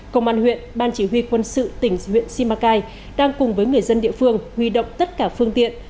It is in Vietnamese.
công an huyện ban chỉ huy quân sự tỉnh huyện simacai đang cùng với người dân địa phương huy động tất cả phương tiện